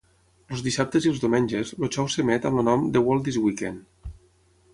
Els dissabtes i els diumenges, el xou s'emet amb el nom The World This Weekend.